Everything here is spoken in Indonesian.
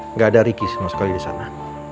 nggak ada riki sama sekali di sana